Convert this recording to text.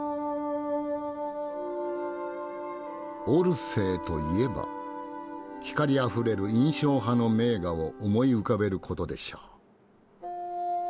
オルセーといえば光あふれる印象派の名画を思い浮かべることでしょう。